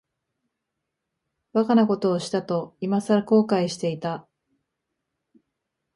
馬鹿なことをしたと、いまさら後悔していた。